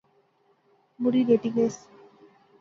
مڑی لیٹی گیس